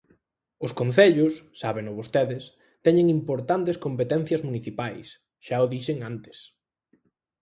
Os concellos, sábeno vostedes, teñen importantes competencias municipais, xa o dixen antes.